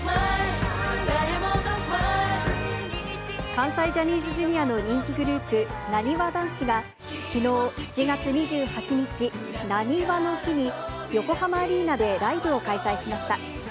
関西ジャニーズＪｒ．の人気グループ、なにわ男子が、きのう７月２８日、なにわの日に、横浜アリーナでライブを開催しました。